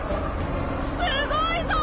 すごいぞ！